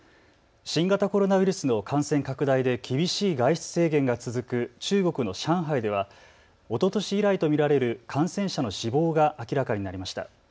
新型コロナウイルスの感染拡大で厳しい外出制限が続く中国の上海ではおととし以来と見られる感染者の死亡が明らかになりました。